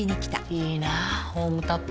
いいなホームタップ。